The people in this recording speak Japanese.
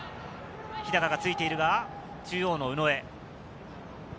日高がついているが、中央の宇野へ。